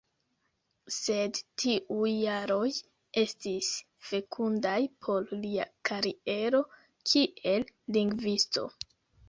Sed tiuj jaroj estis fekundaj por lia kariero kiel lingvisto.